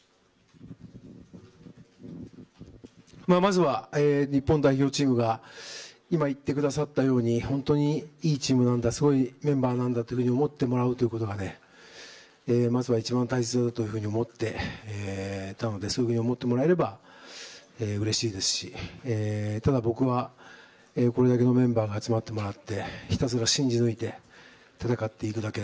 まずは日本代表チームが今、言ってくださったように本当にいいチームなんだすごいメンバーなんだと思ってもらうことがまずは一番大切だと思っていたのでそういうふうに思ってもらえればうれしいですし、ただ僕はこれだけのメンバーが集まってもらってひたすら信じ抜いて戦っていくだけ。